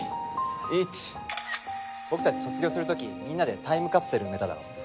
僕たち卒業する時みんなでタイムカプセル埋めただろ？